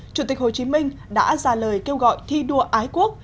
chủ tịch hồ chí minh đã ra lời kêu gọi thi đua ái quốc